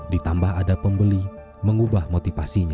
ditambah ada pembeli mengubah motivasinya